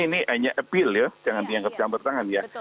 ini hanya appeal ya jangan dianggap campur tangan ya